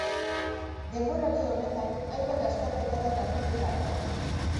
Denboraldi honetan hainbat lasterketatan hartu du parte.